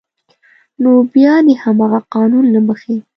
نو بیا د همغه قانون له مخې